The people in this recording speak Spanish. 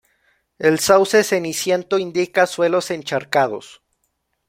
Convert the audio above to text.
El sauce ceniciento indica suelos encharcados.